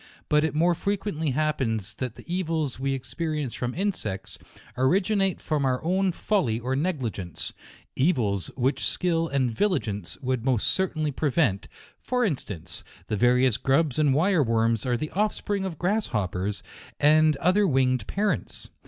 But it more frequently happens that the evils we experience trom insects, originate from oui own folly or negligence ; evils which skill and vigilance would most certainly prevent ; for instance, the various grubs and wire worms are the offspring of grasshoppers, and othei winged parents.